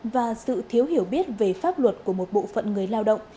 và sự thiếu hiểu biết về pháp luật của một bộ phận người lao động